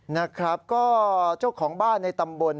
นะครับก็เจ้าของบ้านในตำบล